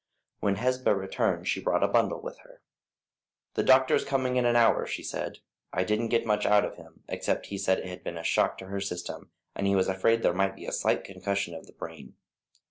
When Hesba returned she brought a bundle with her. "The doctor's coming in an hour," she said. "I didn't get much out of him, except he said it had been a shock to her system, and he was afraid that there might be slight concussion of the brain.